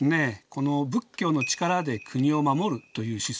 この仏教の力で国を護るという思想